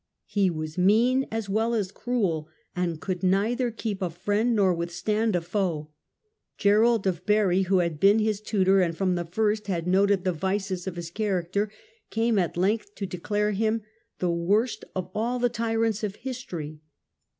He was mean as well as cruel, and could neither keep a friend nor withstand a foe. Gerald of Barri, who had been his tutor, and from the first had noted the vices of his char acter, came at length to declare him the worst of all the tyrants of history.